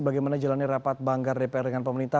bagaimana jalannya rapat banggar dpr dengan pemerintah